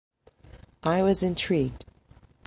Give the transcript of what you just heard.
I was intrigued.